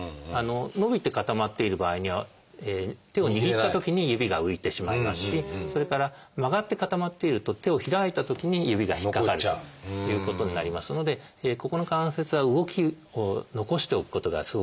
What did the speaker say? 伸びて固まっている場合には手を握ったときに指が浮いてしまいますしそれから曲がって固まっていると手を開いたときに指が引っかかるということになりますのでここの関節は動きを残しておくことがすごく大事。